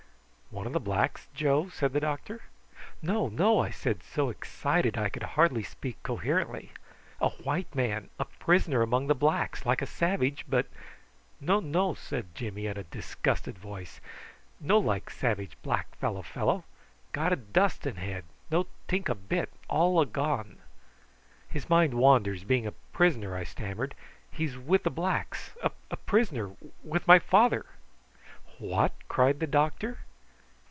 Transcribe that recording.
"One of the blacks, Joe?" said the doctor. "No, no!" I said, so excited that I could hardly speak coherently. "A white man a prisoner among the blacks like a savage, but " "No, no," said Jimmy in a disgusted tone; "no like savage black fellow fellow. Got a dust in head. No tink a bit; all agone." "His mind wanders, being a prisoner," I stammered. "He is with the blacks a prisoner with my father." "What?" cried the doctor.